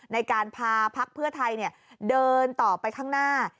ในการพาพักเพื่อไทยเดินต่อไปข้างหน้า